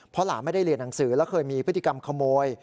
เพราะหลานไม่ได้เรียนหนังสือแล้วเคยมีพฤติกรรมขโมย